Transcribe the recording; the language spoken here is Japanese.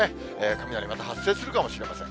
雷、また発生するかもしれません。